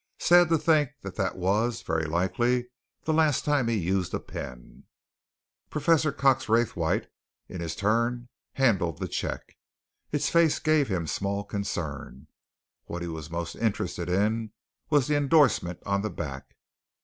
Sad to think that that was very likely the last time he used a pen!" Professor Cox Raythwaite in his turn handled the cheque. Its face gave him small concern; what he was most interested in was the endorsement on the back.